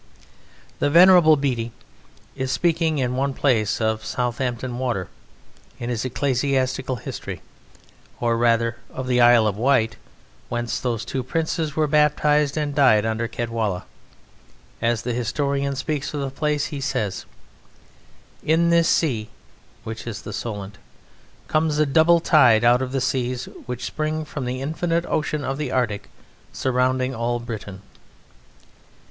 The Venerable Bede is speaking in one place of Southampton Water, in his ecclesiastical history, or, rather, of the Isle of Wight, whence those two Princes were baptized and died under Cadwalla. As the historian speaks of the place he says: "In this sea" (which is the Solent) "comes a double tide out of the seas which spring from the infinite ocean of the Arctic surrounding all Britain."